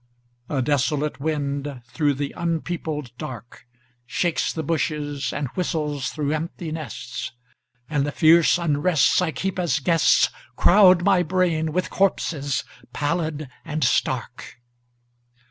A desolate wind, through the unpeopled dark, Shakes the bushes and whistles through empty nests, And the fierce unrestsI keep as guestsCrowd my brain with corpses, pallid and stark.